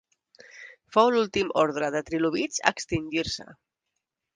Fou l'últim ordre de trilobits a extingir-se.